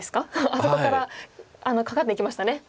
あそこからカカっていきましたね。